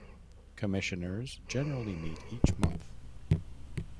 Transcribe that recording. Commissioners generally meet each month.